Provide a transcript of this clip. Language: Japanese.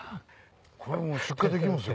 これもう出荷できますよ